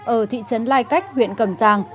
ở thị trấn lai cách huyện cầm giang